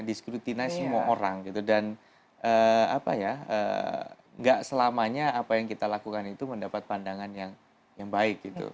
diskritinize semua orang gitu dan apa ya nggak selamanya apa yang kita lakukan itu mendapat pandangan yang baik gitu